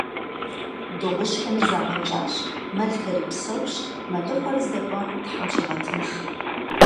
Дыгъужьхэми загъэнщӏащ, мэлхэри псэущ, мэлыхъуэри здэкӏуам Тхьэм щигъэтынш.